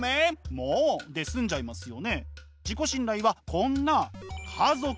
「もう！」で済んじゃいますよね？